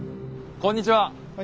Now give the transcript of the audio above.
こんにちは。